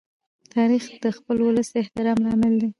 تاریخ د خپل ولس د احترام لامل دی.